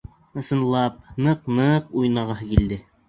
Ысынлап, ны-ыҡ-ны-ыҡ уйнағыһы килде.